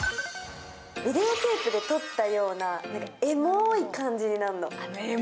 ビデオテープで撮ったようなエモい感じになるの。